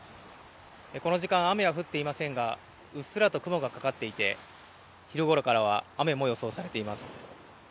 この時間、雨は降っていませんが、うっすらと雲がかかっていて、昼ごろからは雨も予想されています。